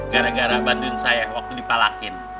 gara gara badun saya waktu dipalakin